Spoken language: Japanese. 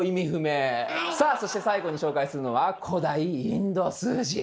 さあそして最後に紹介するのは「古代インド数字」。